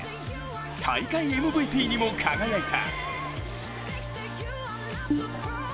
大会ＭＶＰにも輝いた。